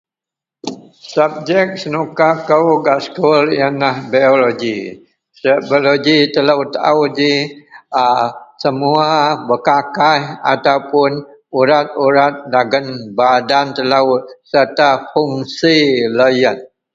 Sabjek senukakou gak sekul yenlah biologi. Biologi telou taao ji a semua bekakaih ataupuun urat-urat dagen badan telou serta fungsi loyen